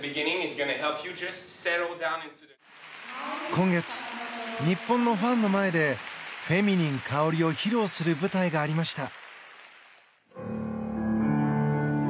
今月日本のファンの前でフェミニン花織を披露する舞台がありました。